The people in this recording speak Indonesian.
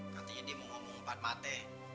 katanya dia mau ngomong empat mata